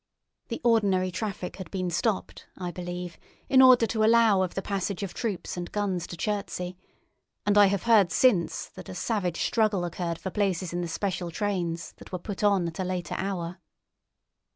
The ordinary traffic had been stopped, I believe, in order to allow of the passage of troops and guns to Chertsey, and I have heard since that a savage struggle occurred for places in the special trains that were put on at a later hour.